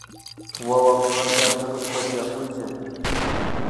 Wawakunata rikushpa tiakuylla